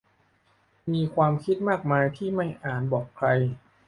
มีความคิดมากมายที่ไม่อาจบอกใคร